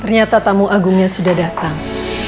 ternyata tamu agungnya sudah datang